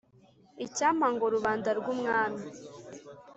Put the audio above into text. Icyampa ngo rubanda rw’Umwami